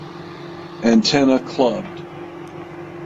Antenna clubbed.